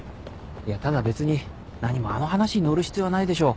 いやただ別に何もあの話に乗る必要はないでしょう。